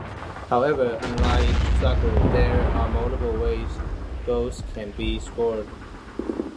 However, unlike soccer, there are multiple ways goals can be scored.